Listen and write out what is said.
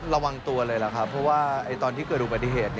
ระวังตัวเลยล่ะครับเพราะว่าตอนที่เกิดอุบัติเหตุ